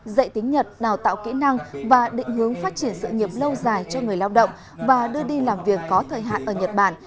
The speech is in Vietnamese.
dạy tiếng nhật đào tạo kỹ năng và định hướng phát triển sự nghiệp lâu dài cho người lao động và đưa đi làm việc có thời hạn ở nhật bản